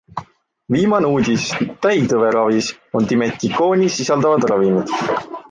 Viimane uudis täitõve ravis on dimetikooni sisaldavad ravimid.